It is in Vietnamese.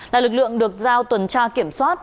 là lực lượng được giao tuần tra kiểm soát